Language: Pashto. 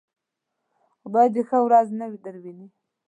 خدای دې ښه ورځ نه درويني.